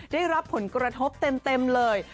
ได้รับผลกระทบเต็มเลย